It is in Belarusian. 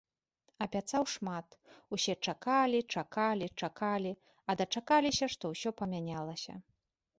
Абяцаў шмат, усе чакалі, чакалі, чакалі, а дачакаліся, што ўсё памянялася.